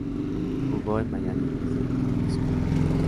Jugó en Miami Christian High School.